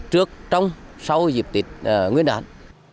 trước trong sau dịp tết nguyên đán